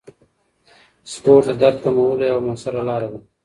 سپورت د درد کمولو یوه موثره لاره ده.